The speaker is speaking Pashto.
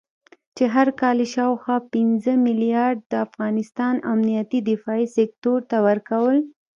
چې هر کال یې شاوخوا پنځه مليارده د افغانستان امنيتي دفاعي سکتور ته ورکول